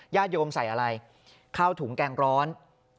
ญาติยงกลมใส่อะไรข้าวถุงแกงร้อนถูกมั้ย